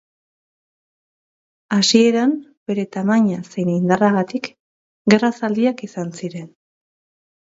Hasieran, bere tamaina zein indarragatik, gerra zaldiak izan ziren.